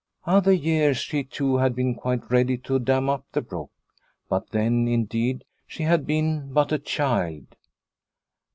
Other years she too had been quite ready to dam up the brook, but then, indeed, she had been but a child.